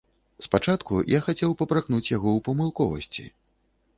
Спачатку я хацеў папракнуць яго ў памылковасці.